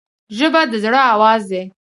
ژبه د زړه آواز دی